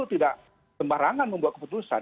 tidak sembarangan membuat keputusan